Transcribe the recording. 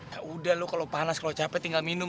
yaudah lo kalau panas kalau capek tinggal minum